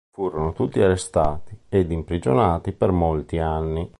Furono tutti arrestati ed imprigionati per molti anni.